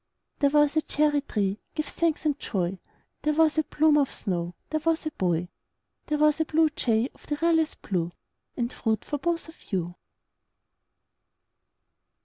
There was a cherry tree, give thanks and joy! There was a bloom of snow There was a boy There was a bluejay of the realest blue And fruit for both of you.